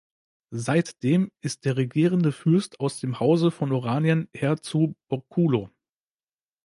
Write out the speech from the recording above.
Seitdem ist der regierender Fürst aus dem Hause von Oranien "Herr zu Borculo".